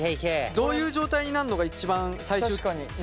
どういう状態になるのが一番最終的な。